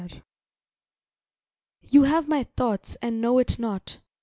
YOU You have my thoughts and know it not.